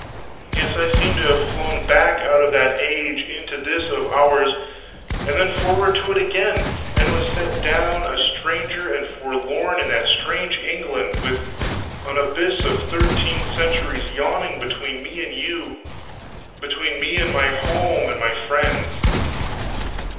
Yes, I seemed to have flown back out of that age into this of ours, and then forward to it again, and was set down, a stranger and forlorn in that strange England, with an abyss of thirteen centuries yawning between me and you! between me and my home and my friends!